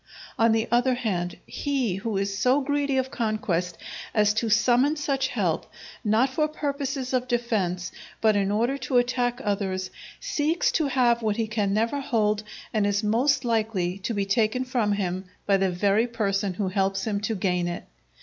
On the other hand, he who is so greedy of conquest as to summon such help, not for purposes of defence but in order to attack others, seeks to have what he can never hold and is most likely to be taken from him by the very person who helps him to gain it.